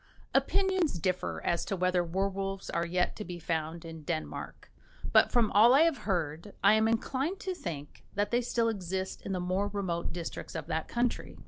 Opinions differ as to whether werwolves are yet to be found in Denmark, but, from all I have heard, I am inclined to think that they still exist in the more remote districts of that country.